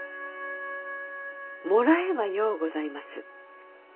もらえばようございます。